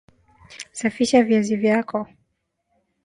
Safisha viazi vyako